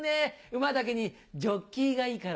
馬だけにジョッキがいいから。